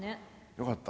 よかった。